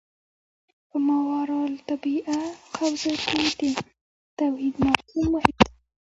په ماورا الطبیعه حوزه کې د توحید مفهوم مهم دی.